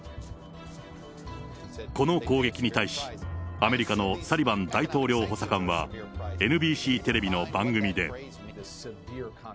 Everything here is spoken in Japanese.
この攻撃に対し、アメリカのサリバン大統領補佐官は、ＮＢＣテレビの番組で。